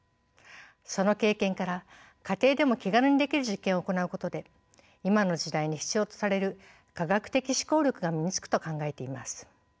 その経験から家庭でも気軽にできる実験を行うことで今の時代に必要とされる科学的思考力が身につくと考えています。